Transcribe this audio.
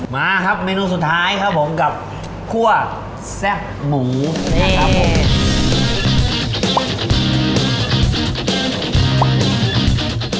มาครับเมนูสุดท้ายครับผมกับคั่วแซ่บหมูนะครับผม